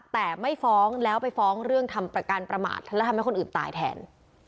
แต่ไม่ฟ้องแล้วไปฟ้องเรื่องทำประกันประมาทและทำให้คนอื่นตายแทน